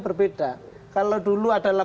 berbeda kalau dulu adalah